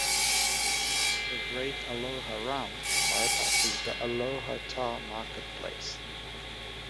The Great Aloha Run bypasses the Aloha Tower Marketplace.